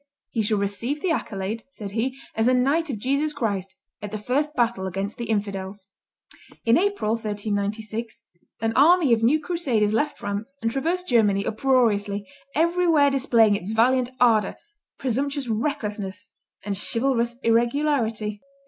"He shall receive the accolade," said he, "as a knight of Jesus Christ, at the first battle against the infidels." In April, 1396, an army of new crusaders left France and traversed Germany uproariously, everywhere displaying its valiant ardor, presumptuous recklessness, and chivalrous irregularity.